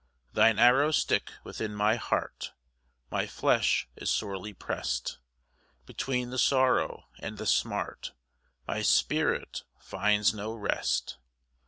2 Thine arrows stick within my heart, My flesh is sorely prest; Between the sorrow and the smart My spirit finds no rest.